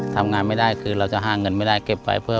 ทำงานไม่ได้คือเราจะหาเงินไม่ได้เก็บไว้เพื่อ